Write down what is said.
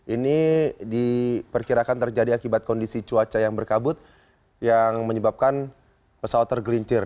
ini diperkirakan terjadi akibat kondisi cuaca yang berkabut yang menyebabkan pesawat tergelincir